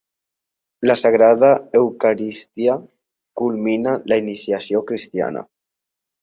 La Sagrada Eucaristia culmina la iniciació cristiana.